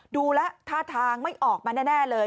ดูแล้วท่าทางไม่ออกมาแน่เลย